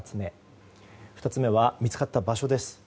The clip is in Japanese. ２つ目は、見つかった場所です。